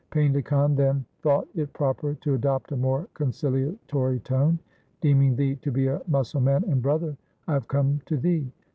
Painda Khan then thought it proper to adopt a more concilatory tone, ' Deeming thee to be a Musalman and brother I have come to thee.'